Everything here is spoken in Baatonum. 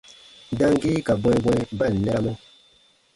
Damgii ka bwɛ̃ɛbwɛ̃ɛ ba ǹ nɛramɔ.